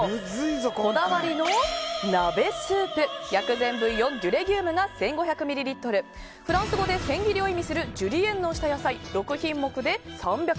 こだわりの鍋スープ薬膳ブイヨン・ドゥ・レギュームが１５００ミリリットルフランス語で千切りを示すジュリエンヌした野菜６品目で３００ｇ